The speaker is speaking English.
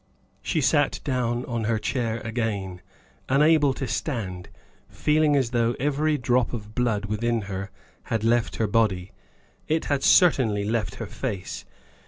She sat down on her chair again, unable to stand, feeling as though every drop of blood within her had left her body. It had certainly left her face.